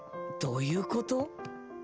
どういうこと？